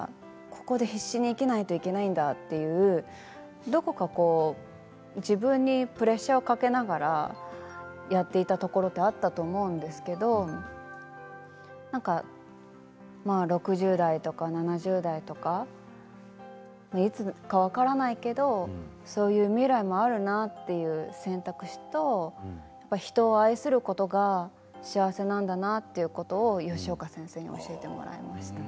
ここで必死に生きないといけないんだというどこか自分にプレッシャーをかけながらやっていたところってあったと思うんですけど６０代とか７０代とかいつか分からないけどそういう未来もあるなという選択肢と人を愛することが幸せなんだなということを吉岡先生に教えてもらいました。